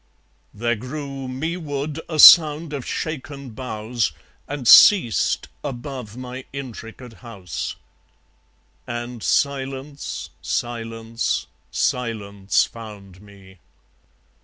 ... There grew Meward a sound of shaken boughs; And ceased, above my intricate house; And silence, silence, silence found me.